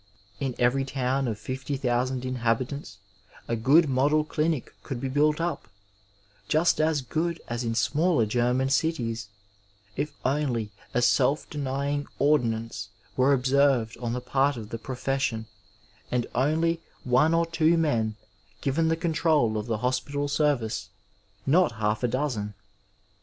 In every to^m of fifty thousand inhabitants a good model dinic could be built up, just as good as in smaller German cities, if only a self denying ordinance were observed on the part of the profession and only one or two men given the control of the hospital service, not half a dozen.